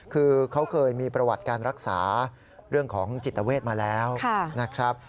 คือเขาเคยมีประวัติการรักษาเรื่องของจิตเวทมาแล้วนะครับ